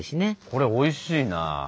これおいしいな。